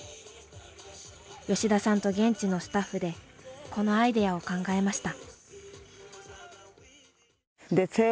吉田さんと現地のスタッフでこのアイデアを考えました。